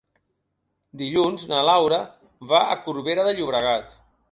Dilluns na Laura va a Corbera de Llobregat.